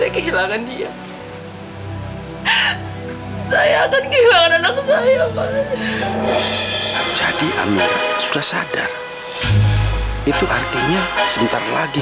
kehilangan dia saya akan kehilangan anak saya jadi amir sudah sadar itu artinya sebentar lagi